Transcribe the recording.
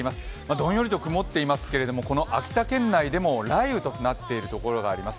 どんよりと曇っていますけれどもこの秋田県内でも雷雨となっているところがあります。